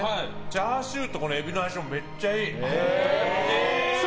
チャーシューとエビの味もめっちゃいい。